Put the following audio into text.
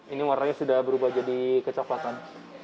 ini warnanya sudah berubah jadi kecoklatan